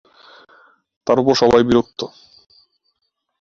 তার উপর সবাই বিরক্ত।